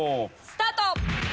スタート！